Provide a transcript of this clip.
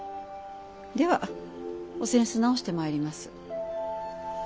ではお扇子直してまいります。